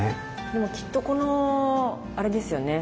でもきっとこのあれですよね。